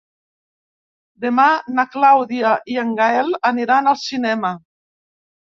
Demà na Clàudia i en Gaël aniran al cinema.